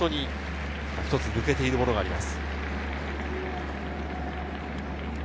一つ抜けているものがあります。